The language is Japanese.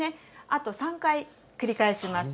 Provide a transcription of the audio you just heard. あと３回繰り返します。